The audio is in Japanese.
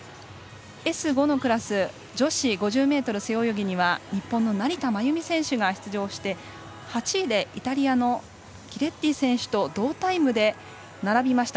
Ｓ５のクラス女子５０ｍ背泳ぎには日本の成田真由美選手が出場して８位でイタリアのギレッティ選手と同タイムで並びました。